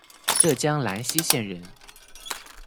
浙江兰溪县人。